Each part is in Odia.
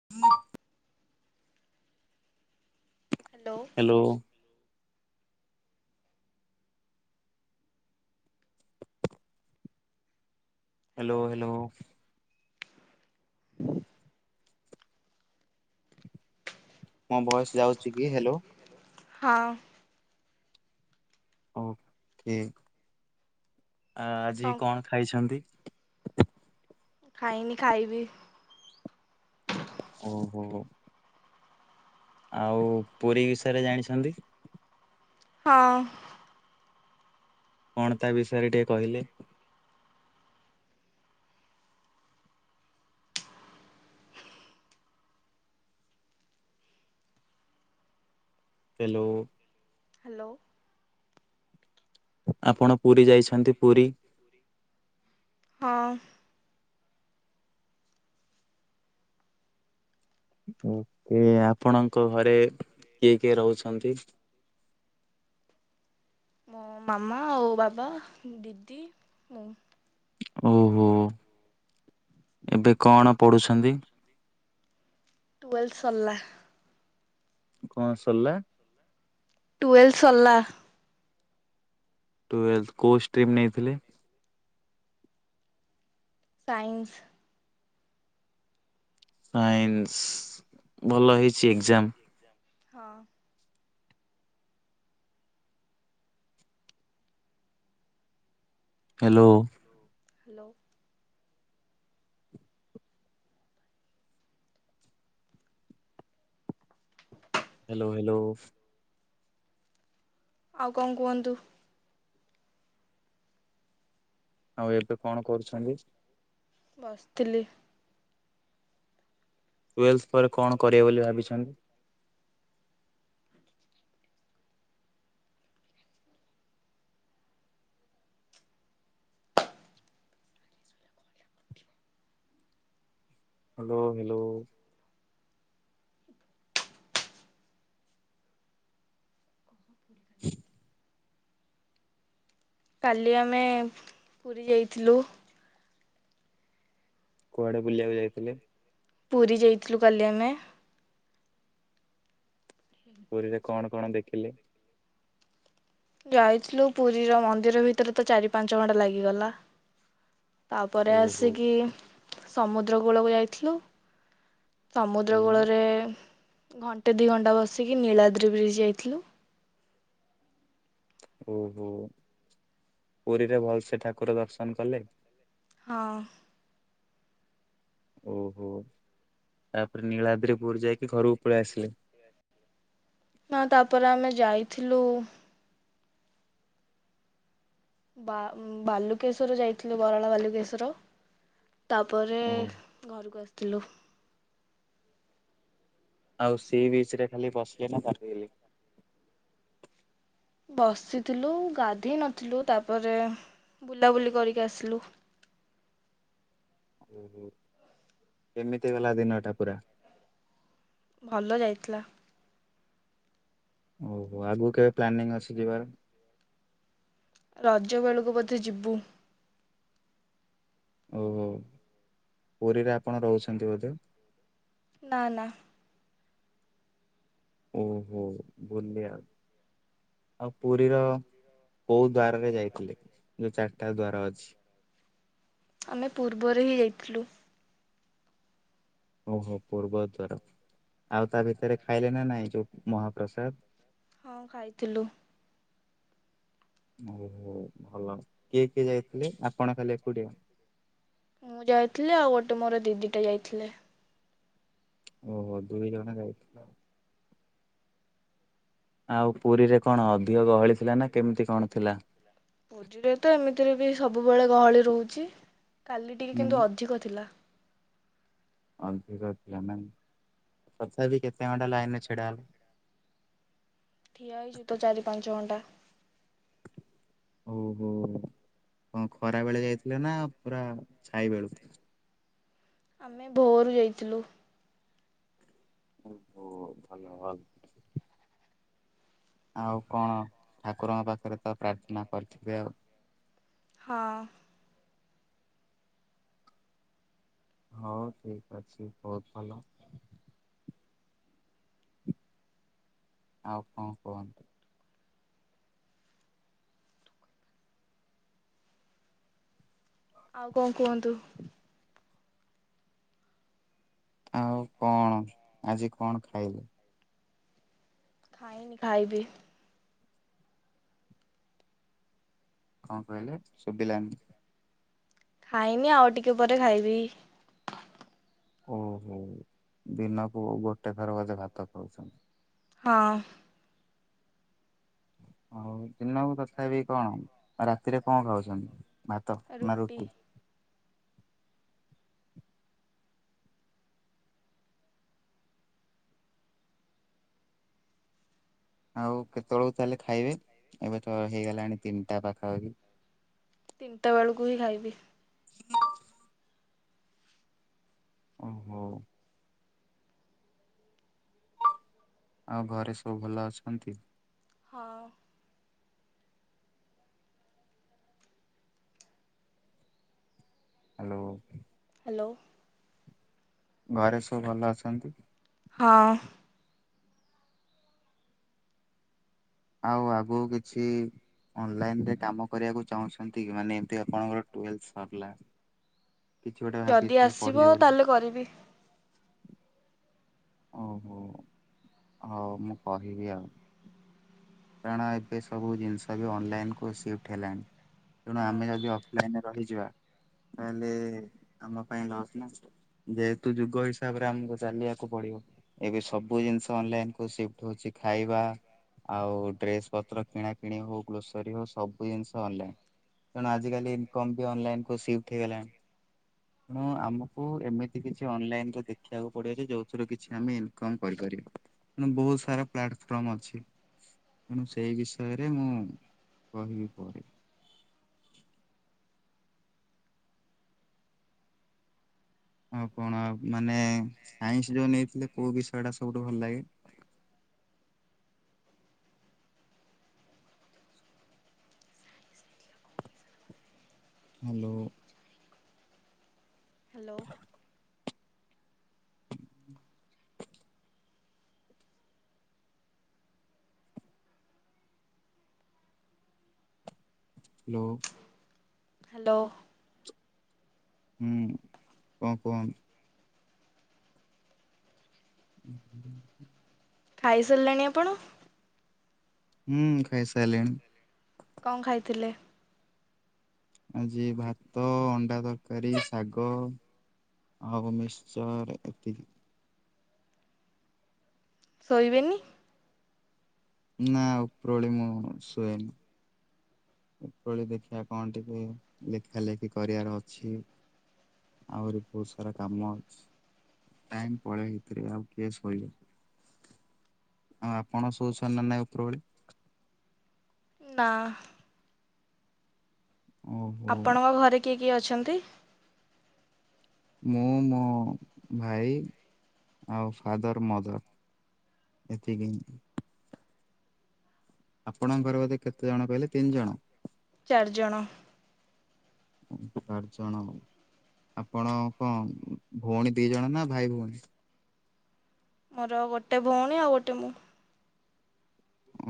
[inaudible] ଦଉ ହାଲୋ। Hello hello. ହାଲୋ। ମୋ ଭଏସ୍ ଯାଉଚି କି ହାଲୋ? ହଁ। ଓକେ ଆଜି କଣ ଖାଇଛନ୍ତି? ଖାଇନି ଖାଇବି। ଓ ହୋ ହୋ। ଆଉ ପୁରୀ ବିଷୟରେ ଜାଣିଛନ୍ତି? ହଁ। କଣ ତା ବିଷୟରେ ଟିକେ କହିଲେ? ହେଲୋ। ହାଲୋ। ଆପଣ ପୁରୀ ଯାଇଛନ୍ତି ପୁରୀ? ହଁ ଓକେ ଆପଣଙ୍କ ଘରେ କିଏ କିଏ ରହୁଛନ୍ତି? ମୋ ମାମା ଆଉ ବାବା, ଦିଦି ମୁଁ। ଓହୋ ଏବେ କଣ ପଢୁଛନ୍ତି? ଟୁୱେଲଥ ସରିଲା। କଣ ସରିଲ? ଟୁଏେଲ୍। ଟୁଏଲ୍ଭ କୋ ଷ୍ଟ୍ରିମ୍ ନେଇଥିଲେ? ସାଇନ୍ସ। ସାଇନ୍ସ ଭଲ ହେଇଛି ଏକ୍ଜାମ? ହଁ ହ୍ୟାଲୋ ହ୍ୟାଲୋ ହ୍ୟାଲୋ ହ୍ୟାଲୋ। ଆଉ କଣ କୁହନ୍ତୁ? ଆଉ ଏବେ କଣ କରୁଛନ୍ତି? ବସିଥିଲି। ଟୁଏଲଥ ପରେ କଣ କରିବେ ବୋଲି ଭାବିଛନ୍ତି? ହ୍ୟାଲୋ ହ୍ୟାଲୋ [inaudible] କାଲି ଆମେ ପୁରୀ ଯାଇଥିଲୁ। କୁଆଡେ ବୁଲିବାକୁ ଯାଇଥିଲେ? ପୁରୀ ଯାଇଥିଲୁ କାଲି ଆମେ। ପୁରୀରେ କଣ କଣ ଦେଖିଲେ? ଯାଇଥିଲୁ ପୁରୀର ମନ୍ଦିର ଭିତରେ ତ ଚାରି ପାଞ୍ଚ ଘଣ୍ଟା ଲାଗିଗଲା। ତାପରେ ଓହୋ ଆସିକି ସମୁଦ୍ର କୂଳକୁ ଯାଇଥିଲୁ। ସମୁଦ୍ର ହୁଁ କୂଳରେ ଘଣ୍ଟେ ଦି ଘଣ୍ଟା ବସିକି ନୀଳାଦ୍ରି ବ୍ରିଜ ଯାଇଥିଲୁ। ଓହୋ ପୁରୀରେ ଭଲସେ ଠାକୁର ଦର୍ଶନ କଲେ? ହଁ। ଓହୋ ତାପରେ ନୀଳାଦ୍ରିପୁର ଯାଇକି ଘରକୁ ପଳେଇ ଆସିଲେ। ହ ତାପରେ ଆମେ ଯାଇଥିଲୁ ବା ବାଲୁକେସ୍ୱର ଯାଇଥିଲୁ ବରାଳା ବାଲୁକେଶ୍ଵର ତାପରେ ଓ ଘରକୁ ଆସିଥିଲୁ। ଆଉ ସି ବିଚ ରେ ଖାଲି ବସିଲେ ନା ଗାଧେଇଲେ। ବସିଥିଲୁ ଗାଧୋଇ ନଥିଲୁ ତାପରେ ବୁଲାବୁଲି କରିକି ଆସିଲୁ। ଓହୋ କେମିତି ଗଲା ଦିନ ଟା ପୁରା? ଭଲ ଯାଇଥିଲା। ଓହୋ ଆଗକୁ କେବେ ପ୍ଲାନିଂ ଅଛି ଯିବାର? ରଜ ବେଳକୁ ବୋଧେ ଯିବୁ। ଓହୋ ପୁରୀରେ ଆପଣ ରହୁଛନ୍ତି ବୋଧେ? ନା ନା। ଓହୋ ବୁଲିଲ ଆ ଆଉ ପୁରୀର କୋଉ ଦ୍ଵାରରେ ଯାଇଥିଲେ, ଯୋଉ ଚାରିଟା ଦ୍ଵାର ଅଛି? ଆମେ ପୂର୍ବରେ ହିଁ ଯାଇଥିଲୁ। ଓହୋ ପୂର୍ବ ଦଵାର ଆଉ ତା ଭିତରେ ଖାଇଲେ ନା ନାଇଁ ଯୋଉ ମହାପ୍ରସାଦ? ହଁ ଖାଇଥିଲୁ। ଓହୋ ଭଲ। କିଏ କିଏ ଯାଇଥିଲେ ଆପଣ ଖାଲି ଏକୁଟିଆ? ମୁଁ ଯାଇଥିଲି ଆଉ ଗୋଟେ ମୋର ଦିଦିଟା ଯାଇଥିଲେ। ଓହୋ ଦୁଇ ଜଣ ଯାଇଥିଲ? ଆଉ ପୁରୀରେ କଣ ଅଧିକ ଗହଳି ଥିଲା ନା କେମିତି କଣ ଥିଲା? ପୁରୀରେ ତ ଏମିତିରେ ବି ସବୁବେଳେ ଗହଳି ରହୁଛି କାଲି ଟିକେ କିନ୍ତୁ ହୁଁ। ଅଧିକ ଥିଲା। ହଉ ଠିକ୍ ଅଛି ତାହେଲେ। ତଥାପି କେତେ ଘଣ୍ଟା ଲାଇନରେ ଛିଡ଼ା ହେଲେ? ଠିଆ ହେଇଛି ତ ଚାରି ପାଞ୍ଚ ଘଣ୍ଟା। ଓହୋ କଣ ଖରା ବେଳେ ଯାଇଥିଲେ ନା ପୁରା ଛାଇ ବେଳୁ? ଆମେ ଭୋରୁ ଯାଇଥିଲୁ। ଓ ହୋ ଭଲ ଭଲ ଆଉ କଣ ଠାକୁରଙ୍କ ପାଖରେ ତ ପ୍ରାର୍ଥନା କରିଥିବେ ଆଉ। ହଁ। ହଉ ଠିକ ଅଛି ବହୁତ ଭଲ। ଆଉ କଣ କୁହ। ଆଉ କଣ କୁହନ୍ତୁ। ଆଉ କଣ ଆଜି କଣ ଖାଇଲେ? ଖାଇନି ଖାଇବି। କଣ କହିଲେ ଶୁଭିଲାନି? ଖାଇନି ଆଉ ଟିକେ ପରେ ଖାଇବି। ଓହୋ ଦିନକୁ ଗୋଟେ ଥର ବୋଧେ ଭାତ ଖାଉଛ। ହଁ। ହଉ ଦିନକୁ ତଥାପି କଣ ରାତିରେ କଣ ଖାଉଛନ୍ତି ଭାତ ନା ରୁଟି? ଆଉ କେତେବେଳକୁ ତାହେଲେ ଖାଇବେ ଏବେ ତ ହେଇଗଲାଣି ତିନିଟା ପାଖାପାଖି? ତିନିଟା ବେଳକୁ ହିଁ ଖାଇବି। ଓହୋ। ଆଉ ଘରେ ସବୁ ଭଲ ଅଛନ୍ତି? ହଁ। ହ୍ୟାଲୋ। ହ୍ୟାଲୋ। ଘରେ ସବୁ ଭଲ ଅଛନ୍ତି? ହଁ। ଆଉ ଆଗକୁ କିଛି ଅନଲାଇନରେ କାମ କରିବାକୁ ଚାହୁଁଛନ୍ତି କି ମାନେ ଏମତି ଆପଣଙ୍କର ଟ୍ବେଲଥ୍ ସରିଲା? କିଛି ଗୋଟେ ଯଦି ଭାବିଥିବେ ପଢିବେ ଆସିବ ବୋଲି ତାହେଲେ କରିବି। ଓହୋ ହଉ ମୁଁ କହିବି ଆଉ। କାରଣ ଏବେ ସବୁ ଜିନିଷ ବି ଅନଲାଇନ କୁ ସିଫ୍ଟ ହେଲାଣି। ତେଣୁ ଆମେ ହୁଁ ଯଦି ଅଫଲାଇନରେ ରହିଯିବା ତାହେଲେ ଆମ ପାଇଁ ଲସ୍ ନା। ଯେହେତୁ ଯୁଗ ହିସାବରେ ଆମକୁ ଚାଲିବାକୁ ପଡିବ। ଏବେ ସବୁ ଜିନିଷ ଅନଲାଇନ କୁ ସିଫ୍ଟ ହଉଛି ଖାଇବା ଆଉ ଡ୍ରେସ ପତ୍ର କିଣା କିିଣି ହଉ ଗ୍ରୋସରୀ ହଉ ସବୁ ଜିନିଷ ଅନଲାଇନ। ତେଣୁ ଆଜିକାଲି ଇନକମ୍ ବି ଅନଲାଇନ କୁ ସିପ୍ଟ ହେଇଗଲାଣି। ତେଣୁ ଆମକୁ ଏମିତି କିଛି ଅନଲାଇନରେ ଦେଖିବାକୁ ପଡିବ ଯେ ଯୋଉଥିରୁ କିଛି ଆମେ ଇନକମ୍ କରିପାରିବା। ମାନେ ବହୁତ ସାରା ପ୍ଲାଟଫର୍ମ ଅଛି। ତେଣୁ ସେଇ ବିଷୟରେ ମୁଁ କହିବି ପରେ। ଆଉ କଣ ମାନେ ସାଇନ୍ସ ଯୋଉ ନେଇଥିଲେ କୋଉ ବିଷୟ ଟା ସବୁଠୁ ଭଲ ଲାଗେ? ହ୍ୟାଲୋ। ହ୍ୟାଲୋ। ହ୍ୟାଲୋ। ହ୍ୟାଲୋ। ହୁମ୍ କଣ କୁହନ୍ତୁ? ହୁଁ [inaudible] ଖାଇସାରିଲେଣି ଆପଣ? ହୁଁ ଖାଇସାରଲିଣି। କଣ ଖାଇଥିଲେ? ଆଜି ଭାତ, ଅଣ୍ଡା ତରକାରୀ, ଶାଗ। ଆଉ ମିଶ୍ଚରଏତିକି। ଶୋଇବେନି? ନା ଓପରଓଳି ମୁଁ ଶୁଏନି। ଓପର ଓଳି ଦେଖିଆ କଣ ଟିକେ ଲେଖା ଲେଖି କରିବାର ଅଛି। ଆହୁରି ବହୁତ୍ ସାରା କାମ ଅଛି। ଟାଇମ୍ ପଳେଇ ଭିତରେ ଆଉ କିଏ ଶୋଇିବ? ଆଉ ଆପଣ ଶୋଉଛନ୍ତି ନା ନାଇଁ ଓପର ଓଳି? ନା। ଓହୋ ଆପଣଙ୍କ ଘରେ କିଏ କିଏ ଅଛନ୍ତି? ମୁଁ ମୋ ଭାଇ ଆଉ ଫାଦର ମଦର। ଏତିକି। ଆପଣଙ୍କ ଘର ବୋଧେ କେତେ ଜଣ କଇଲେ ତିନି ଜଣ? ଚାର୍ ଜଣ। ଚାରି ଜଣ ଆପଣ କଣ ଭଉଣୀ ଦି ଜଣ ନା ଭାଇ ଭଉଣୀ? ମୋର ଗୋଟେ ଭଉଣୀ ଆଉ ଗୋଟେ ମୁଁ।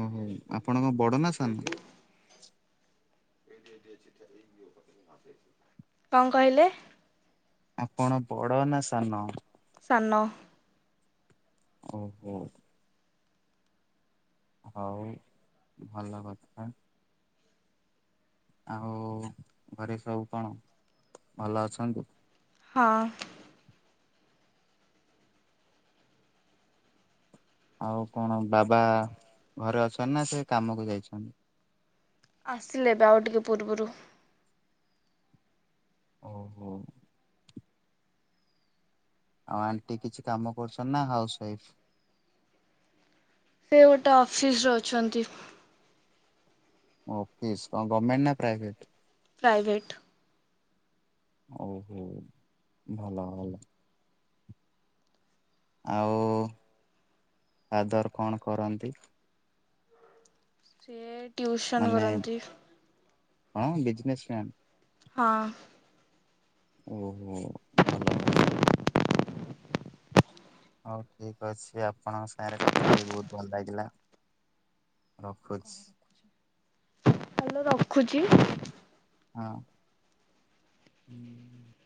ଓହୋ ଆପଣ କଣ ବଡ ନା ସାନ? କଣ କହିଲେ? ଆପଣ ବଡ ନା ସାନ? ସାନ। ଓହୋ। ହଉ ଭଲ କଥା। ଆଉ ଘରେ ସବୁ କଣ ଭଲ ଅଛନ୍ତି? ହଁ। ଆଉ କଣ ବାବା ଘରେ ଅଛନ୍ତି ନା ସେ କାମକୁ ଯାଇଛନ୍ତି? ଆସିଲେ ଏବେ ଆଉ ଟିକେ ପୂର୍ବରୁ। ଓ ହୋ। ଆଉ ଆଣ୍ଟି କିଛି କାମ କରୁଛନ୍ତି ନା ହାଉସ ୱାଇଫ୍? ସେ ଗୋଟେ ଅଫିସରେ ଅଛନ୍ତି। ଅଫିସ୍ କଣ ଗର୍ମେଣ୍ଟ ନା ପ୍ରାଇଭେଟ? ପ୍ରାଇଭେଟ୍। ଓହୋ ଭଲ ଭଲ। ଆଉ ଫାଦର କଣ କରନ୍ତି? ସିଏ ଟିଉସନ୍ ମାନେ କରନ୍ତି। କଣ ବିଜନେସ୍ ମ୍ୟାନ୍? ହଁ। ଓହୋ ଭଲ ଭଲ। ହଉ ଠିକ ଅଛି ଆପଣଙ୍କ ସାଙ୍ଗରେ କଥା ହୋଇ ବହୁତ୍ ଭଲ ଲାଗିଲା। ରଖୁଛି। ହାଲୋ ରଖୁଚି। ହଁ ହୁଁ।